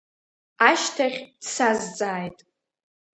Ашьҭахь дсазҵааит…